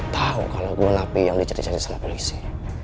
tahu kalau gue napi yang dicari cari sama polisi